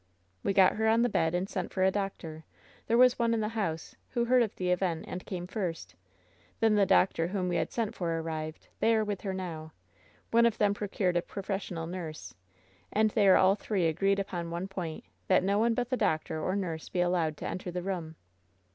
"We got her on the bed, and sent for a doctor. There was one in the house, who heard of the event, and came first. Then the doctor whom we had sent for arrived. They are with her now. One of them procured a profes sional nurse. And they are all three agreed upon one point — that no one but the doctor or nurse be allowed to enter the room."